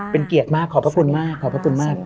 เป็นเกียรติมากขอบพระคุณมากขอบพระคุณมาก